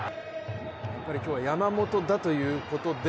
やっぱり今日は山本だということで。